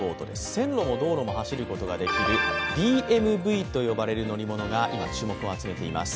線路も道路も走ることができるＤＭＶと呼ばれる乗り物が今、注目を集めています。